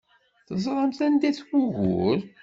Teẓramt anda-t wugur.